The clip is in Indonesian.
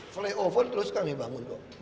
flyover terus kami bangun